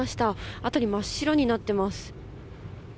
辺り、真っ白になっています。